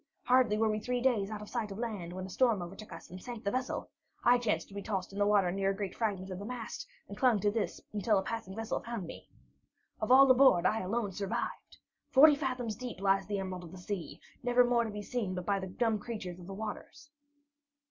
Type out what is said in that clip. Hardly were we three days out of the sight of land, when a storm overtook us and sank the vessel. I chanced to be tossed in the water near a great fragment of the mast, and clung to this until a passing vessel found me. Of all aboard, I alone survived. Forty fathoms deep lies the Emerald of the Sea, never more to be seen but by the dumb creatures of the waters."